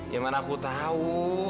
ya mana aku tahu